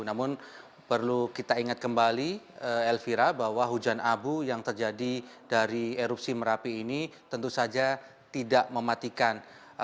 namun perlu kita ingat kembali elvira bahwa hujan abu yang terjadi dari erupsi merapi ini tentu saja tidak mematikan